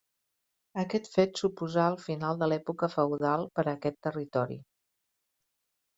Aquest fet suposà el final de l'època feudal per a aquest territori.